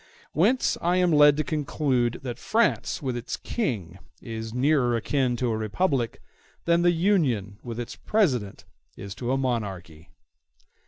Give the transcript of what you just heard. Whence I am led to conclude that France with its King is nearer akin to a republic than the Union with its President is to a monarchy.